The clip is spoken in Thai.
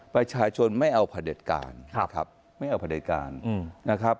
ประชาชนไม่เอาพระเด็จการนะครับไม่เอาผลิตการนะครับ